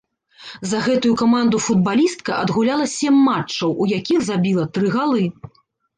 За гэтую каманду футбалістка адгуляла сем матчаў, у якіх забіла тры галы.